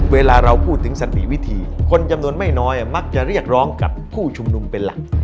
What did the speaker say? เวลาเราพูดถึงสันติวิธีคนจำนวนไม่น้อยมักจะเรียกร้องกับผู้ชุมนุมเป็นหลัก